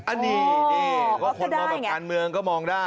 อันนี้นี่ก็คนมองแบบการเมืองก็มองได้